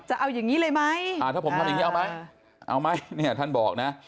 จะเอาอย่างนี้เลยไหมอ่าถ้าผมทำอย่างนี้เอาไหมเอาไหมเนี่ยท่านบอกนะ